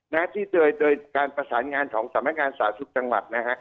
แนวที่โดยการประสานงานสรรพงศาสน์สู่จังหวัด